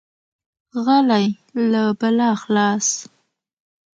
غلی، له بلا خلاص.